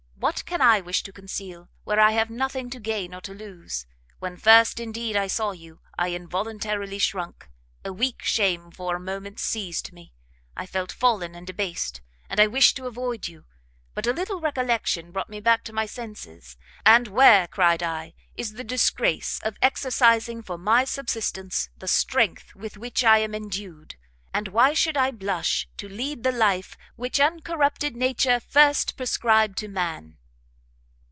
What can I wish to conceal, where I have nothing to gain or to lose? When first, indeed, I saw you, I involuntarily shrunk; a weak shame for a moment seized me, I felt fallen and debased, and I wished to avoid you: but a little recollection brought me back to my senses, And where, cried I, is the disgrace of exercising for my subsistence the strength with which I am endued? and why should I blush to lead the life which uncorrupted Nature first prescribed to man?"